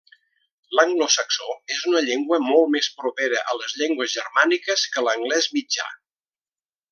L'anglosaxó és una llengua molt més propera a les llengües germàniques que l'anglès mitjà.